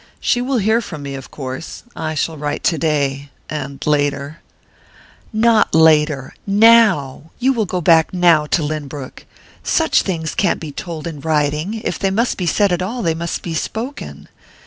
"She will hear from me, of course; I shall write today and later " "Not later! Now you will go back now to Lynbrook! Such things can't be told in writing if they must be said at all, they must be spoken.